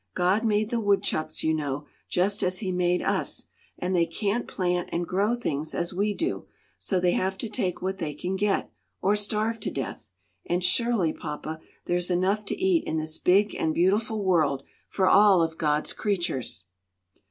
God made the woodchucks, you know, just as He made us, and they can't plant and grow things as we do; so they have to take what they can get, or starve to death. And surely, papa, there's enough to eat in this big and beautiful world, for all of God's creatures."